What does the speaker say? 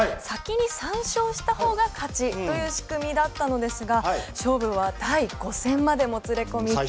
先に３勝した方が勝ちという仕組みだったのですが勝負は第５戦までもつれ込み。